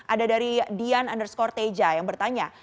ada dari dian underscore teja yang bertanya